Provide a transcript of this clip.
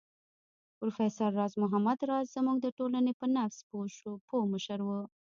پروفېسر راز محمد راز زموږ د ټولنې په نبض پوه مشر و